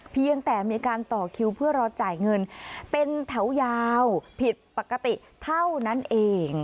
เพียงแต่มีการต่อคิวเพื่อรอจ่ายเงินเป็นแถวยาวผิดปกติเท่านั้นเอง